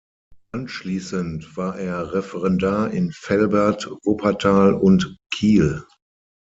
Anschließend war er Referendar in Velbert, Wuppertal und Kiel.